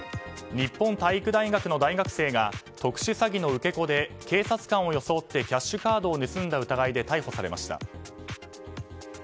日本体育大学の大学生が特殊詐欺の受け子で警察官を装ってキャッシュカードを盗んだ疑いで逮捕されました。